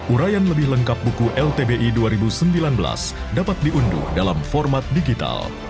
urayan lebih lengkap buku ltbi dua ribu sembilan belas dapat diunduh dalam format digital